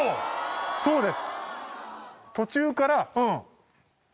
そうです。